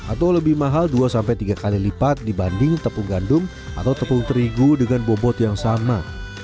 atau lebih mahal dua tiga kali lipat dibanding tepung gandum atau tepung terigu dengan bobot yang sama